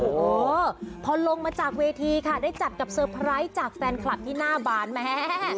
โอ้โหพอลงมาจากเวทีค่ะได้จัดกับเซอร์ไพรส์จากแฟนคลับที่หน้าบานแม่